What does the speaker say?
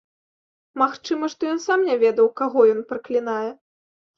Магчыма, што ён сам не ведаў, каго ён праклінае.